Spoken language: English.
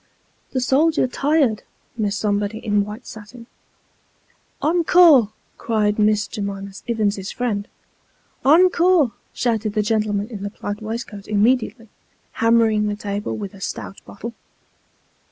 " The soldier tired," Miss Somebody in white satin. " Ancore !" cried Miss J'mima Ivins's friend. " Ancore !" shouted the gentleman in the plaid waist coat immediately, hammering the table with a stout bottle.